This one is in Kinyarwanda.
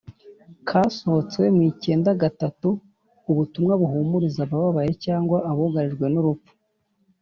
kasohotse mu icyenda gatatu, ubutumwa buhumuriza abababaye cyangwa abugarijwe n’urupfu,